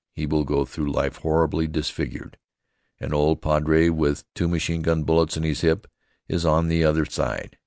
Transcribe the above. He will go through life horribly disfigured. An old padre, with two machine gun bullets in his hip, is on the other side.